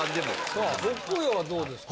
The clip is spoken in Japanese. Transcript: さあ北陽はどうですか？